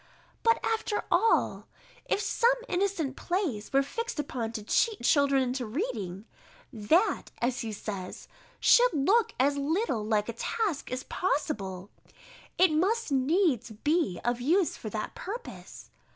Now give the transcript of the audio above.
But after all, if some innocent plays were fixed upon to cheat children into reading, that, as he says, should look as little like a task as possible, it must needs be of use for that purpose.